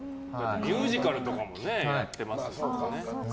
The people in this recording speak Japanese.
ミュージカルとかもやってますからね。